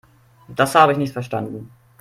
Das habe ich nicht verstanden.